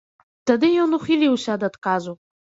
Тады ён ухіліўся ад адказу.